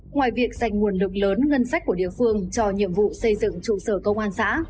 ngoài việc dành nguồn lực lớn ngân sách của địa phương cho nhiệm vụ xây dựng trụ sở công an xã